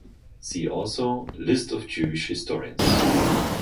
See also List of Jewish historians.